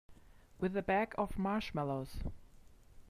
With a bag of marshmallows.